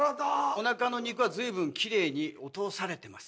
おなかの肉は随分キレイに落とされてます。